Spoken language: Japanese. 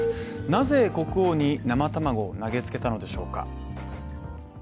なぜ国王に生卵を投げつけたのでしょうか。